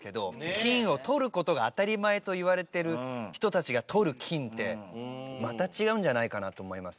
金をとる事が当たり前といわれてる人たちがとる金ってまた違うんじゃないかなと思いますね。